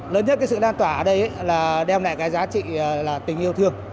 lớn nhất sự đan tỏa ở đây là đem lại giá trị tình yêu thương